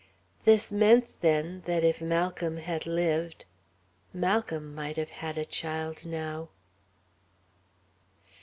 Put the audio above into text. ... This meant, then, that if Malcolm had lived, Malcolm might have had a child now....